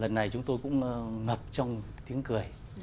lần này chúng tôi cũng ngập trong tiếng cười